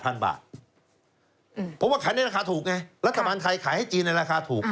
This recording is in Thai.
เพราะว่าขายในราคาถูกไงรัฐบาลไทยขายให้จีนในราคาถูก